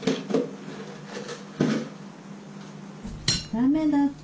ダメだって。